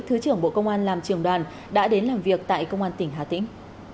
thứ trưởng bộ công an làm trường đoàn đã đến làm việc tại công an tỉnh hà tĩnh